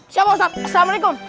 siap pausat assalamualaikum